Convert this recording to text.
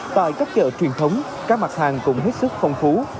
tại các chợ truyền thống các mặt hàng cũng hết sức phong phú